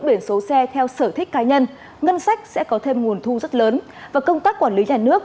biển số xe theo sở thích cá nhân ngân sách sẽ có thêm nguồn thu rất lớn và công tác quản lý nhà nước